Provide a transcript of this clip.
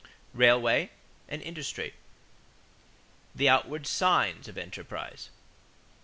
RAILWAYS AND INDUSTRY =The Outward Signs of Enterprise.